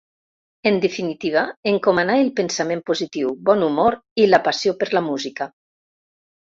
En definitiva, encomanar el pensament positiu, bon humor i la passió per la música.